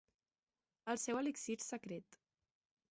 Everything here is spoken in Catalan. El seu elixir secret.